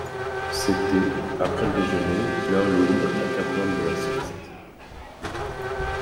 C’était, après le déjeuner, l’heure lourde, accablante de la sieste.